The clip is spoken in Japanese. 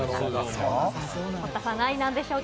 堀田さんは何位なんでしょうか？